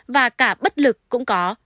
và cả bất lực cũng có